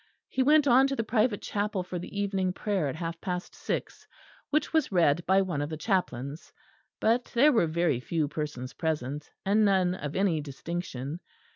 He went to the private chapel for the evening prayer at half past six; which was read by one of the chaplains; but there were very few persons present, and none of any distinction.